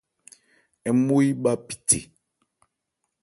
Ń mo yí bha bithe.